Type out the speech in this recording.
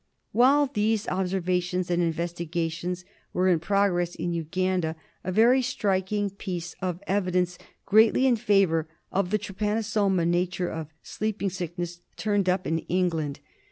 While these observations and investigations were in progress in Uganda, a very striking piece of evidence greatly in favour of the trypanosoma nature of Sleeping Sickness turned up in England.